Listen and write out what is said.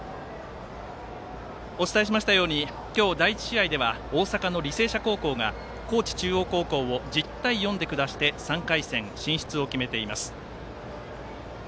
お伝えしましたように今日第１試合では大阪、履正社高校が高知中央高校を１０対４で下して３回戦進出を決めています。